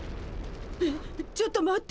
えっちょっと待って。